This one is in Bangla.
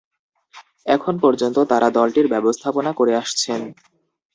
এখন পর্যন্ত তারা দলটির ব্যবস্থাপনা করে আসছেন।